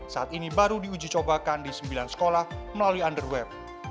saat ini baru diuji cobakan di sembilan sekolah melalui underwep